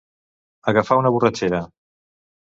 Agafar una borratxera.